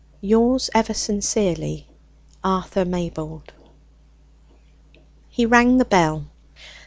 Yours ever sincerely, "ARTHUR MAYBOLD." He rang the bell.